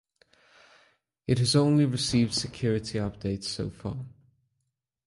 It has only received security updates so far.